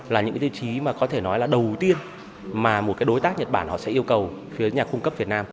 là những tiêu chí mà có thể nói là đầu tiên mà một đối tác nhật bản sẽ yêu cầu phía nhà cung cấp việt nam